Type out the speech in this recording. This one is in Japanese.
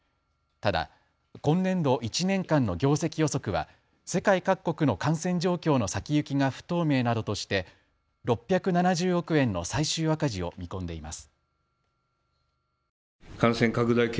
ただ今年度１年間の業績予測は世界各国の感染状況の先行きが不透明などとして６７０億円の最終赤字を見込んでいます。